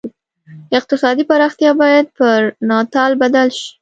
اقتصادي پراختیا باید پر ناتال بدل شي.